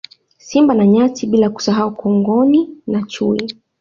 Simba na Nyati bila kusahau Kongoni na Chui